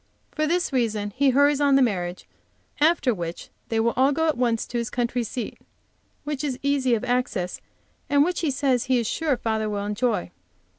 For this reason he hurries on the marriage, after which they will all go at once to his country seat, which is easy of access, and which he says he is sure father will enjoy.